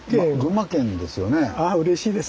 ああうれしいです。